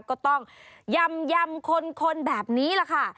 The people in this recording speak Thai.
ก็ต้องยำคนแบบนี้แหละค่ะ